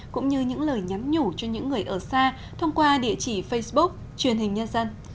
cũng như những lời nhắn nhủ cho những người ở xa thông qua địa chỉ facebook truyền hình nhân dân